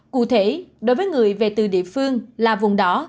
cụ thể đối với người về từ địa phương là vùng đỏ